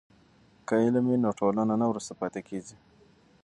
که علم وي نو ټولنه نه وروسته پاتې کیږي.